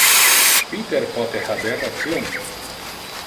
Peter pote haber ration.